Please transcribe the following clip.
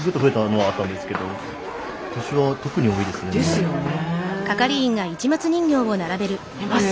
ですよね。